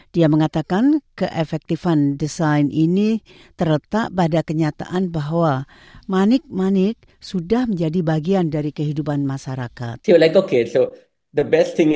dia mengatakan keefektifan desain ini terletak pada kenyataan bahwa manik manik sudah menjadi bagian dari kehidupan masyarakat